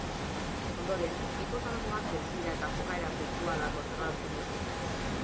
Ondoren, hipotalamoak desira eta jokaera sexuala kontrolatzen ditu.